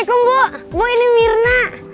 assalamualaikum bu bu ini mirna